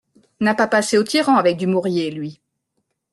N'a pas passé aux tyrans, avec Dumouriez, lui!